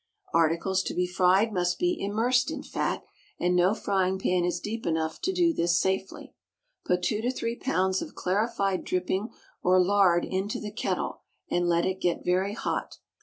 Articles to be fried must be immersed in fat, and no frying pan is deep enough to do this safely. Put two to three pounds of clarified dripping or lard into the kettle, and let it get very hot.